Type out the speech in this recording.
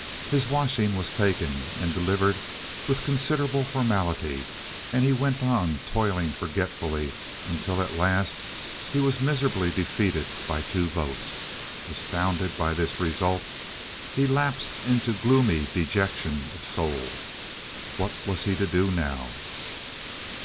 His washing was taken and delivered with considerable formality, and he went on toiling forgetfully, until at last he was miserably defeated by two votes. Astounded by this result, he lapsed into gloomy dejection of soul. What was he to do now?